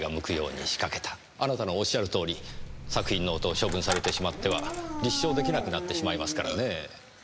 あなたのおっしゃるとおり作品ノートを処分されてしまっては立証できなくなってしまいますからねぇ。